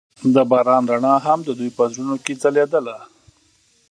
د باران رڼا هم د دوی په زړونو کې ځلېده.